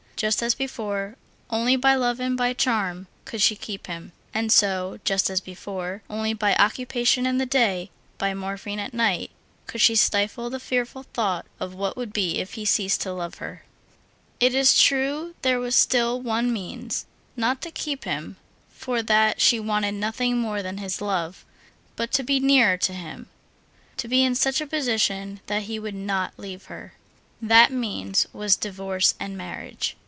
Just as before, only by love and by charm could she keep him. And so, just as before, only by occupation in the day, by morphine at night, could she stifle the fearful thought of what would be if he ceased to love her. It is true there was still one means; not to keep him—for that she wanted nothing more than his love—but to be nearer to him, to be in such a position that he would not leave her. That means was divorce and marriage.